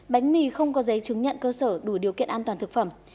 bánh mì không có giấy chứng nhận cơ sở đủ điều kiện an toàn thực phẩm